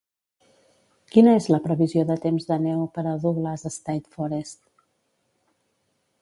Quina és la previsió de temps de neu per a Douglas State Forest?